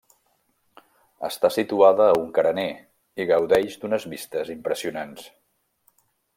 Està situada a un carener, i gaudeix d'unes vistes impressionants.